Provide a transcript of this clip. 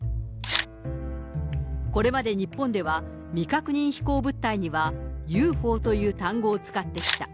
これまで日本では、未確認飛行物体にはＵＦＯという単語を使ってきた。